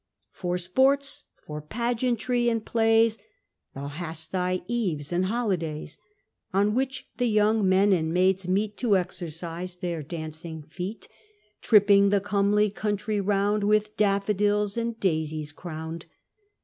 For sports, for pageantry, and plays, Thou hast thy eves, and holydays: On which the young men and maids meet, To exercise their dancing feet: Tripping the comely country Round, With daffadils and daisies crown'd.